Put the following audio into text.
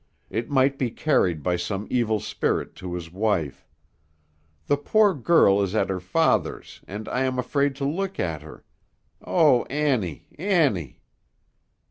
It might be carried by some evil spirit to his wife. The poor girl is at her father's, and I am afraid to look at her. O Annie, Annie!"